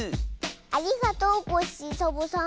ありがとうコッシーサボさん。